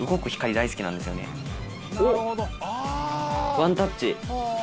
ワンタッチ。